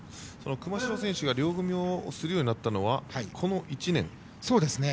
熊代選手が両組みをするようになったのはこの１年なんですか？